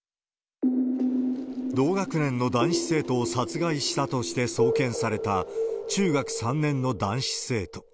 同学年の男子生徒を殺害したとして送検された中学３年の男子生徒。